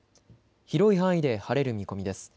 広い範囲で晴れる見込みです。